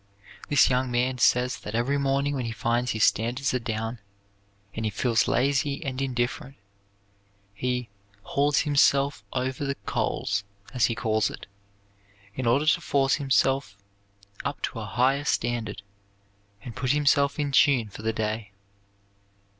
This young man says that every morning when he finds his standards are down and he feels lazy and indifferent he "hauls himself over the coals," as he calls it, in order to force himself up to a higher standard and put himself in tune for the day.